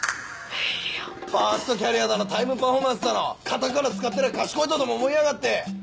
ファーストキャリアだのタイムパフォーマンスだのカタカナ使ってりゃ賢いとでも思いやがって！